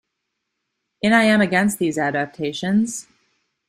In I am against these adaptations...